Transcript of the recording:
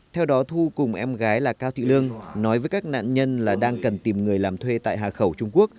theo đó thu cùng em gái là cao thị lương nói với các nạn nhân là đang cần tìm người làm thuê tại hà khẩu trung quốc